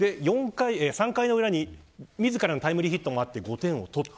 ３回の裏に自らのタイムリーヒットもあって５点を取った。